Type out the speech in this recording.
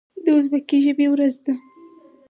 د ازبکي ژبې ورځ ده.